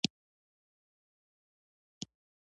همدغه لاره خپله کړو.